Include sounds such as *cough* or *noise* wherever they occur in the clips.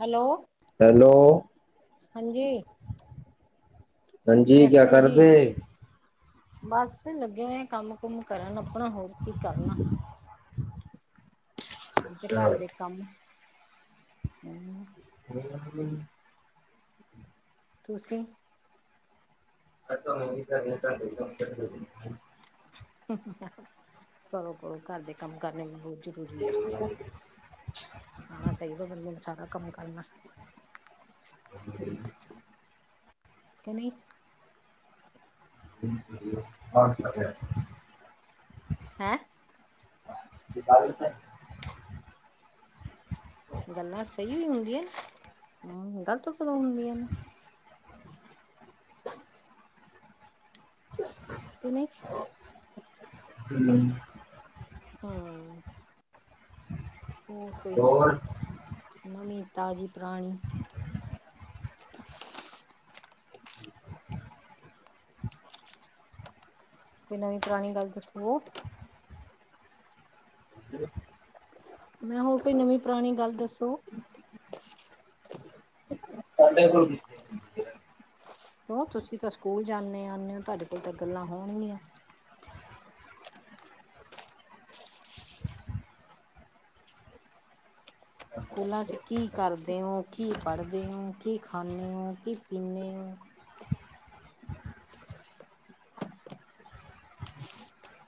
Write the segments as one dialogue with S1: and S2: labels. S1: Hello
S2: hello.
S1: ਹਾਂਜੀ।
S2: ਹਾਂਜੀ ਕਿਆ
S1: ਨਮਸਤੇ ਜੀ,
S2: ਕਰਦੇ
S1: ਬਸ ਲੱਗੇ ਹੋਏ ਕੰਮ ਕੁਮ ਕਰਨ। ਆਪਣਾ ਹੋਰ ਕੀ ਕਰਨਾ। ਅੱਜ
S2: ਅੱਛਾ
S1: ਘਰ ਦੇ ਕੰਮ
S2: *unintelligible*
S1: ਤੁਸੀਂ?
S2: ਆ ਨ ਵੀ ਤਾਂ, *inaudible* *unintelligible*
S1: ਕਰੋ ਕਰੋ ਘਰ ਦੇ ਕੰਮ ਕਰਨੇ ਵੀ ਬਹੁਤ
S2: ਹਮ, *inaudible* *unintelligible*
S1: ਆਣਾ ਚਾਹੀਦਾ ਬੰਦੇ ਨੂੰ ਸਾਰਾ ਕੰਮ ਕਰਨਾ।
S2: ਹੂੰ,
S1: ਕਿ ਨਹੀਂ?
S2: ਕਰ *unintelligible*
S1: ਹੈਂ?
S2: ਕੀ ਚ *unintelligible*
S1: ਗੱਲਾਂ ਸਹੀ ਹੀ ਹੁੰਦੀਆਂ ਨ ਹਮ ਗ਼ਲਤ ਕਦੋਂ ਹੁੰਦੀਆਂ ਨੇ। ਕੇ ਨੀ
S2: ਹੂੰ, *unintelligible*
S1: ਹਾਂ। ਹੋਰ ਕੋਈ
S2: ਹੋਰ
S1: ਨਵੀਂ ਤਾਜ਼ੀ ਪੁਰਾਣੀ? ਕੋਈ ਨਵੀਂ ਪੁਰਾਣੀ ਗੱਲ ਦੱਸੋ।
S2: ਹੂੰ, *unintelligible*
S1: ਮੈਂ ਹੋਰ ਕੋਈ ਨਵੀਂ ਪੁਰਾਣੀ ਗੱਲ ਦੱਸੋ।
S2: ਸਡੇ ਕੋਲ ਕੀ
S1: ਕਿਉਂ ਤੁਸੀਂ ਤਾਂ ਸਕੂਲ ਜਾਂਦੇ ਆਉਂਦੇ ਹੋ ਤੁਹਾਡੇ ਕੋਲ ਤਾਂ ਗੱਲਾਂ ਹੋਣਗੀਆਂ। ਸਕੂਲਾਂ ਚ ਕੀ ਕਰਦੇ ਹੋ? ਕੀ ਪੜ੍ਹਦੇ ਹੋ? ਕੀ ਖਾਂਦੇ ਹੋ? ਕੀ ਪੀਂਦੇ ਹੋ?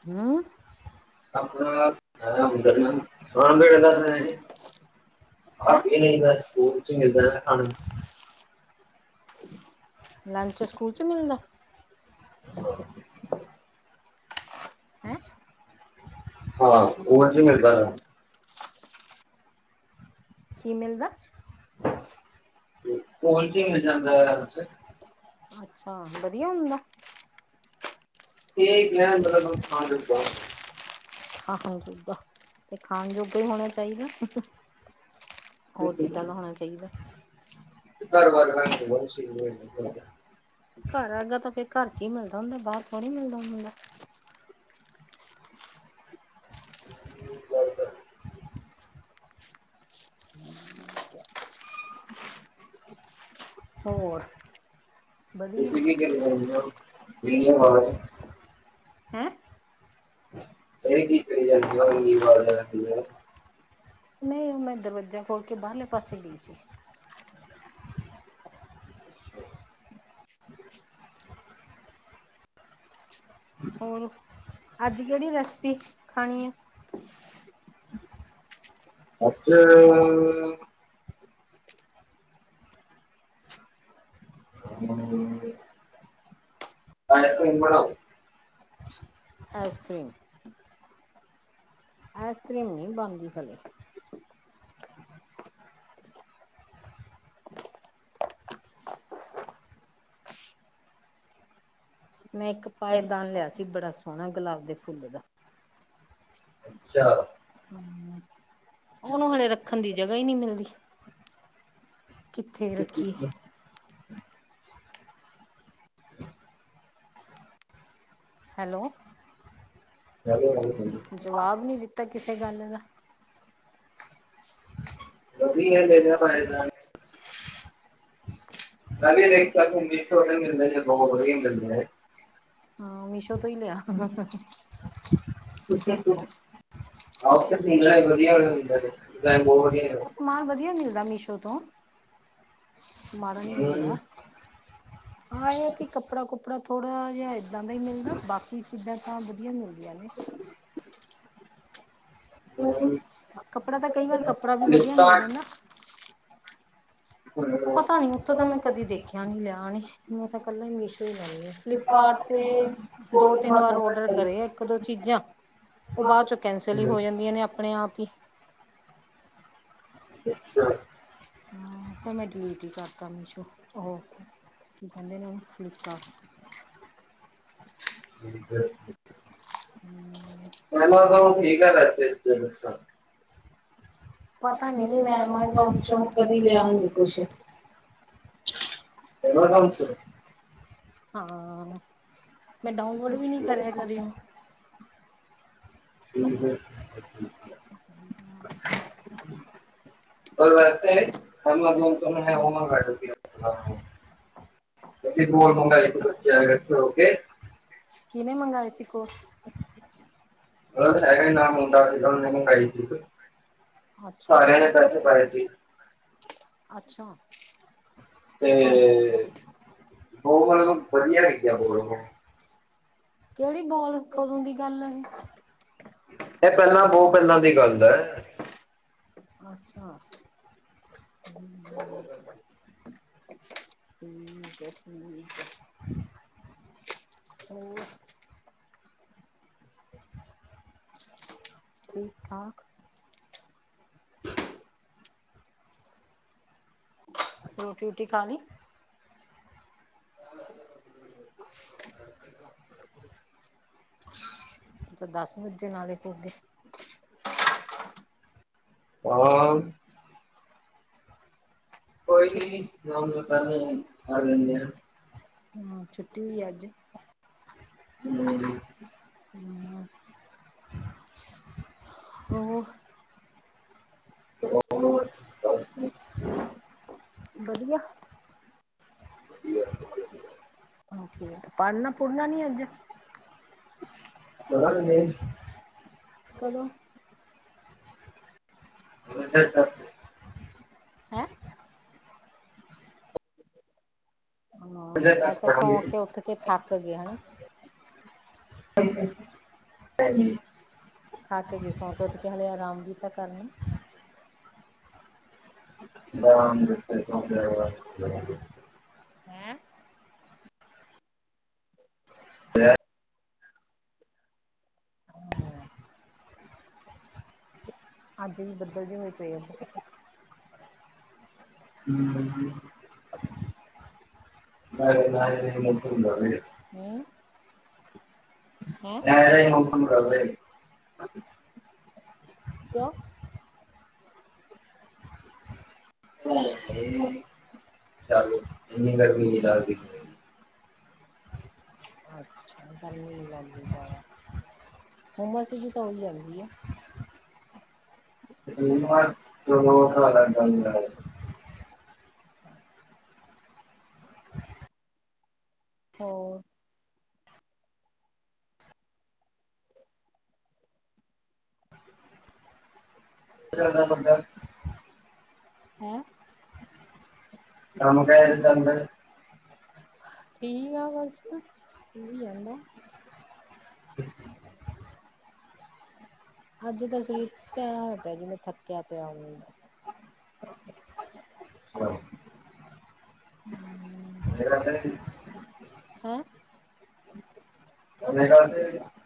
S1: ਹੂੰ?
S2: ਆਪਣਾ *unintelligible* ਖਾਣ ਪੀਣ ਦਾ ਤਾਂ ਇਹ ਏ ਖ
S1: ਹੈਂ
S2: ਪੀ ਦਾ ਸਕੂਲ ਚ ਹੀ ਮਿਲਦਾ ਖਾ
S1: ਲੰਚ ਸਕੂਲ ਚ ਮਿਲਦਾ? ਹੈ?
S2: ਹਾਂ ਸਕੂਲ ਚ ਹੀ ਮਿਲਦਾ ਗਾ।
S1: ਕੀ ਮਿਲਦਾ?
S2: ਸਕੂਲ ਚ ਹੀ ਮਿਲ ਜਾਂਦਾ ਹੈ
S1: ਅੱਛਾ। ਵਧੀਆ ਹੁੰਦਾ?
S2: ਠੀਕ ਖਾਣ ਜੋਗਾ *unintelligible*
S1: ਤੇ ਖਾਣ ਜੋਗਾ ਹੀ ਹੋਣਾ ਚਾਹੀਦਾ। ਹੋਰ ਕਿੱਦਾਂ ਦਾ ਹੋਣਾ ਚਾਹੀਦਾ?
S2: ਬਰ ਬਰ ਰਾਂ *unintelligible*
S1: ਘਰ ਅਰਗਾ ਤਾਂ ਫਿਰ ਘਰ ਚ ਹੀ ਮਿਲਦਾ ਹੁੰਦਾ ਬਾਹਰ ਥੋੜ੍ਹੀ ਮਿਲਦਾ ਹੁੰਦਾ। ਹੋਰ *inaudible* ਵਧੀਆ
S2: *unintelligible*
S1: ਹੈਂ?
S2: ਇਹ ਕਿ ਕਰੀ ਜਾਂਦੇ ਉ ਏਣੀ ਵਾਰ *unintelligible*
S1: ਨਹੀਂ ਉਹ ਮੈਂ ਦਰਵਾਜਾ ਖੋਲ ਕੇ ਬਾਹਰਲੇ ਪਾਸੇ ਗਈ ਸੀ। ਹੋਰ ਅੱਜ ਕਿਹੜੀ ਰੈਸਿਪੀ ਖਾਣੀ ਏ?
S2: ਆਜ ਅ
S1: ਠੀਕ ਕਰਿਆ। *unintelligible* *inaudible*
S2: ਗੰਦ ਮੰਦ ਦੇਣਗੇ। *unintelligible* *unintelligible*
S1: *inaudible* ਆਈਸ ਕ੍ਰੀਮ ਆਈਸ ਕਰ੍ਰੀਮ ਨਹੀਂ ਬਣਦੀ ਪਈ। ਮੈਂ ਇੱਕ ਪਾਏਦਾਨ ਲਿਆ ਸੀ, ਬੜਾ ਸੋਹਣਾ ਗੁਲਾਬ ਦੇ ਫੁੱਲ ਦਾ।
S2: ਅੱਛਾ।
S1: ਹੂੰ। ਉਹਨੂੰ ਹਲੇੇ ਰੱਖਣ ਦੀ ਜਗ੍ਹਾ ਹੀ ਨਹੀਂ ਮਿਲਦੀ। ਕਿੱਥੇ ਰੱਖੀਏ। ਹੈਲੋ,
S2: ਚਲੋ
S1: ਜਵਾਬ ਨੀ ਦਿੱਤਾ ਕਿਸੇ ਗੱਲ ਦਾ।
S2: *unintelligible* ਕ ਵੀ ਦੇਖਿਆ ਸੀ, ਮੀਸੋ਼ ਤੇ ਮਿਲਦੇ ਨੇ ਬਹੁਤ ਵਧੀਆ ਮਿਲਦੇ ਨੇ।
S1: ਹਾਂ ਮੀਸ਼ੋ ਤੋਂ ਹੀ ਲਿਆ।
S2: ਡੀਜਾਇਨ ਵਧੀਆ ਮਿਲਦਾ ਜੇ, ਡੀਜਾਇਨ ਬਹੁਤ ਵਧੀਆ
S1: ਸਮਾਨ ਵਧੀਆ ਮਿਲਦਾ ਮੀਸ਼ੋ ਤੋਂ, ਮਾੜਾ ਨੀ
S2: ਹੂੰ
S1: ਮਿਲਦਾ।
S2: *unintelligible*
S1: ਹਾਂ ਇਹ ਹੈ ਕਿ, ਕੱਪੜਾ-ਕੁੱਪੜਾ ਥੋੜ੍ਹਾ ਜਿਹਾ ਇੱਦਾਂ ਦਾ ਹੀ ਮਿਲਦਾ, ਬਾਕੀ ਚੀਜ਼ਾਂ ਤਾਂ ਵਧੀਆ ਮਿਲਦੀਆਂ ਨੇ।
S2: ਹੂੰ
S1: ਕੱਪੜਾ ਤਾਂ ਕਈ ਵਾਰ ਕੱਪੜਾ ਵੀ ਵਧੀਆ ਮਿਲ
S2: ਫਲਿੱਪਕਾਰਟ
S1: ਜਾਂਦਾ। ਪਤਾ ਨੀ ਉੱਥੋਂ ਤਾਂ ਮੈਂ ਕਦੀ ਦੇਖਿਆ ਨੀ ਲਿਆ ਨੀ, ਮੈਂ ਤਾਂ ਇਕੱਲਾ ਹੀ ਮੀਸ਼ੋ ਹੀ ਲੈਦੀ ਹਾਂ। ਫਲਿੱਪਕਾਰਟ ਤੇ, ਦੋ- ਤਿੰਨ ਵਾਰ ਓਡਰ ਕਰਿਆ ਇੱਕ- ਦੋ ਚੀਜ਼ਾਂ ਉਹ ਬਾਅਦ 'ਚੋਂ' ਕੈਂਸਲ ਹੀ ਹੋ ਜਾਂਦੀਆਂ ਨੇ ਆਪਣੇ ਆਪ ਹੀ।
S2: ਅੱਛਾ।
S1: ਹੂੰ, ਫਿਰ ਮੈਂ ਡਿਲੀਟ ਹੀ ਕਰਤਾ ਮੀਸੋ ਉਹੋ। ਕੀ ਕਹਿੰਦੇ ਨੇ ਉਹਨੂੰ ਫਲਿੱਪਕਾਰਟ
S2: ਠੀਕ ਹੀ ਕਹਿ ਰਹਿ ਓ ਤੁਸੀਂ।
S1: ਹੂੰ
S2: ਮੈਨੂੰ ਉਹ ਠੀਕ ਹੈਗਾ। ਇੱਥੇ ਇਕੋ ਰਸਤਾ
S1: ਪਤਾ ਨਹੀਂ ਮੈਂ ਐਮਾਜ਼ੋਨ ਚੋਂ ਕਦੀ ਲਿਆ ਨਹੀਂ ਕੁਛ ਐਮਾਜ਼ਾਨ ਚੋ, ਹਾਂ ਮੈਂ ਡਾਊਨਲੋਡ ਵੀ ਨਹੀਂ ਕਰਿਆ ਕਦੇ ਉਹਨੂੰ।
S2: ਠੀਕ ਏ। *inaudible*
S1: *unintelligible*
S2: ਹੁਣ ਵੈਸੇ ਐਮਾਜ਼ੋਨ ਤੋਂ ਕਰ ਦੀਤੀ ਐ ਆਸੀ ਕੋਟਸ ਮੰਗਾਏ ਬੱਚਿਆਂ ਇੱਕਠੇ ਹੋਕੇ
S1: ਕਿਨੇ ਮੰਗਵਾਏ ਸੀ ਕੋਟਸ?
S2: ੳ ਹੇਗਾ ਨਾਲ ਮੁੰਡਾ ਓਨੇ ਮਗਵਾਇ ਸੀ ਇੱਕ,
S1: ਅੱਛਾ
S2: ਸਾਰੇਆਂ ਨੇ ਪੇਸੈ ਪਾਏ ਸੀ।
S1: ਅੱਛਾ।
S2: ਤੇ
S1: ਕਦੋਂ
S2: ਬੋਲ ਵਧੀਆ ਸੀ। ਐਮਾਜ਼ੋਨ ਤੋ
S1: ਕਿਹੜੀ ਬੋਲ ਕਦੋਂ ਦੀ ਗੱਲ ਹੈ ਇਹ।
S2: ਇਹ ਪਹਿਲਾਂ, ਬਹੁਤ ਪਹਿਲਾਂ ਦੀ ਗੱਲ ਹੈ।
S1: ਅੱਛਾ। ਹੂੰ ਬਸ ਠੀਕ ਹੈ।
S2: *inaudible*
S1: ਹੋਰ ਠੀਕ ਠਾਕ।
S2: *inaudible*
S1: ਰੋਟੀ -ਰੂਟੀ ਖਾਲੀ? *unintelligible* ਅੱਛਾ ਦਸ ਵੱਜਣ ਵਾਲੇ ਹੋਗੇ।
S2: ਹਾਂ। ਕੋਈ ਨੋ ਵਜੇ ਕਰਲੇ ਓ, ਆ ਜਾਂਦੇ ਆ।
S1: ਹੂੰ, ਛੁੱਟੀ ਹੀ ਐ ਅੱਜ।
S2: ਹੁਣ ਨੋ ਵੱਜ ਗੇ।
S1: *inaudible*
S2: *inaudible*
S1: ਹੋਰ? ਬਦੀਆ?
S2: *unintelligible*
S1: ਠੀਕ ਏ ਪਾੜਨਾ-ਪੁੜਨਾ ਨੀ ਅੱਗੇ?
S2: *unintelligible*
S1: ਕਦੋਂ?
S2: *unintelligible*
S1: ਹੈਂ। ਹਾਂ, ਆੱਜ ਤਾ
S2: ਗਰਮੀ
S1: ਸੌਂ ਕੇ ਉੱਠ ਕੇ ਥਾੱਕ ਗਏ ਹਣਾ?
S2: *unintelligible*
S1: ਥਾੱਕ ਗੇ ਸੌਂ ਕੇ ਉੱਠ ਕੇ, *unintelligible* ਰਾਮ ਵੀ ਤਾਂ ਕਾਰਨਾ।
S2: *unintelligible*
S1: ਹੈਂ?
S2: *unintelligible*
S1: *unintelligible* ਹਾਂਜੀ, ਬੱਦਲ ਜੇ ਹੋਏ ਪੈ ਆ ਬਹੋਤ।
S2: ਹੂੰ। ਮਾੜੇ, ਮਾੜੇ ਜੇ ਬੱਦਲ ਬਾਨ
S1: ਹੂੰ। ਹੈਂ।
S2: *unintelligible*
S1: ਕੇਓ?
S2: ਤੂੰ ਦਾਸ ਰਈ ਏ ਮੈਨੂੰ, ਚਾਲ ਏਨੀ ਗਰਮੀ ਚ
S1: ਅੱਛਾ, ਗਰਮੀ ਨੀ ਲੱਗਦੀ ਜਾਦਾ, ਹੂਮਸ ਜੀ ਤਾਂ ਹੋਈ ਜਾਂਦੀ ਆ।
S2: *unintelligible*
S1: *inaudible* ਹੋਰ?
S2: *unintelligible*
S1: ਹੈਂ।
S2: *unintelligible*
S1: ਠੀਕ ਆ ਬਸ, ਹੋਈ ਜਾਂਦਾ।
S2: *inaudible*
S1: ਅੱਜ ਤਾਂ ਸਰੀਰ ਟੂਟੇਆ, ਪੇਆ ਜਿਵੇਂ ਥੱਕੇਆ ਪੇਆ ਹੂੰਦਾ।
S2: *unintelligible*
S1: ਹੂੰ।
S2: *unintelligible*
S1: ਹੈਂ।
S2: *unintelligible*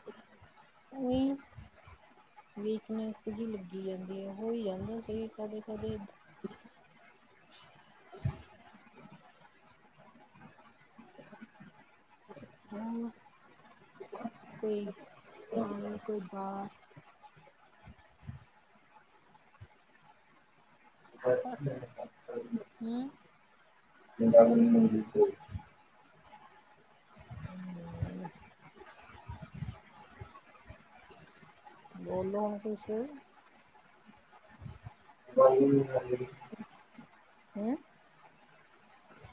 S1: ਓਈ ਨੀ। ਵੀਕਨੈਸ ਜੀ ਲੱਗੀ ਜਾਂਦੀ ਆ, ਹੋਈ ਜਾਂਦਾ ਐ ਸਰੀਰ ਦਾ ਕਦੇ-ਕਦੇ।
S2: *inaudible*
S1: ਹੋਰ? ਕੋਈ ਗਾੱਲ, ਕੋਈ ਬਾਤ? ਹੂੰ।
S2: *unintelligible*
S1: *unintelligible* ਬੋਲੋ, ਹੁਣ ਕੁਸ਼?
S2: *unintelligible*
S1: ਹੂੰ।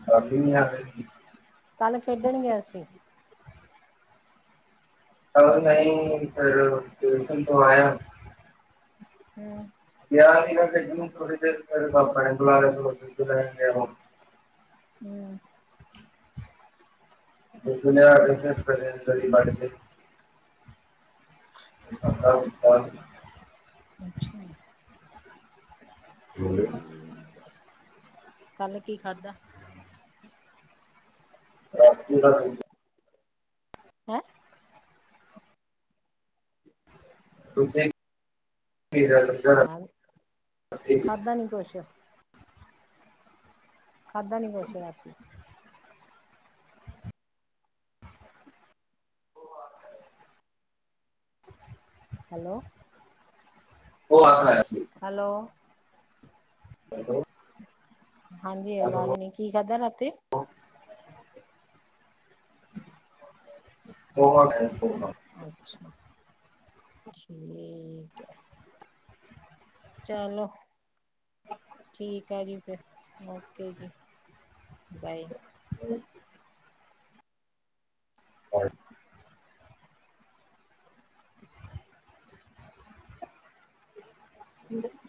S2: ਟਰਾਲੀ ਨਹੀਂ ਆਵੇਗੀ।
S1: ਕੱਲ੍ਹ ਖੇਡਣ ਗਿਆ ਸੀ।
S2: ਅ ਨਹੀਂ ਫਿਰ ਟਿਉਸ਼ਨ ਤੋਂ ਆਇਆ।
S1: ਹੂੰ।
S2: *unintelligible* ਥੋੜੀ ਦੇਰ ਫਿਰ ਪਾਪਾ ਨੇ ਬੁਲਾ ਲਿਆ ਫਿਰ *unintelligible* ਉਹ।
S1: ਹੂੰ।
S2: *unintelligible* *unintelligible*
S1: ਅੱਛਾ। ਕੱਲ ਕੀ ਖਾਧਾ?
S2: ਰਾਤੀ ਤਾਂ *unintelligible*
S1: ਹੈਂ।
S2: *unintelligible*
S1: ਆਹ,
S2: ਰਾਤੀ।
S1: ਖਾਧਾ ਨਹੀਂ ਕੁਛ। ਖਾਧਾ ਨਹੀਂ ਕੁਛ ਰਾਤੀ। ਉਹ ਵੱਖ ਹੈ। ਹੈਲੋ।
S2: ਉਹ ਆਪ ਆਇਆ ਸੀ।
S1: ਹੈਲੋ।
S2: ਹੈਲੋ।
S1: ਹਾਂਜੀ, ਆਵਾਜ਼
S2: ਹੈਲੋ
S1: ਨਹੀਂ, ਕੀ ਖਾਧਾ ਰਾਤੀ?
S2: *unintelligible*
S1: ਅੱਛਾ ਠੀਕ ਹੈ। ਚਲੋ। ਠੀਕ ਹੈ ਜੀ, ਫਿਰ ਓਕੇ ਜੀ, ਬਾਏ।
S2: *inaudible* *unintelligible* *unintelligible*